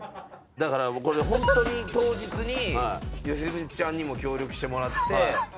だからこれホントに当日に吉住ちゃんにも協力してもらって。